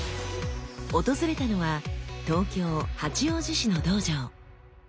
訪れたのは東京・八王子市の道場。